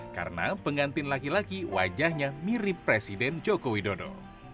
karena pengantin laki laki wajahnya mirip presiden joko widodo